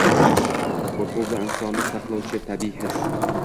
Qo‘rquv bu insonni saqlovchi tabiiy his.